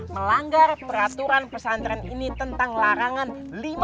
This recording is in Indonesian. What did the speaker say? melanggar peraturan persandaran ini tentang larangan lima m